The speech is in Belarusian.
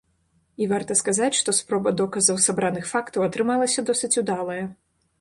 І, варта сказаць, што спроба доказаў сабраных фактаў атрымалася досыць удалая.